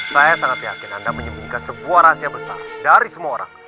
saya sangat yakin anda menyembunyikan sebuah rahasia besar dari semua orang